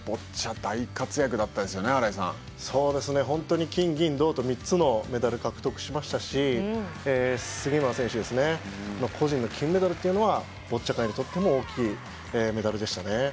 本当に金、銀、銅と３つのメダル獲得しましたし杉村選手の個人の金メダルはボッチャ界にとっても大きいメダルでしたね。